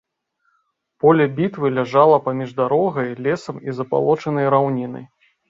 Поле бітвы ляжала паміж дарогай, лесам і забалочанай раўнінай.